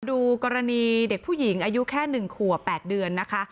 ดูกรณีเด็กผู้หญิงอายุแค่๑ขวบ๘เดือนนะคะ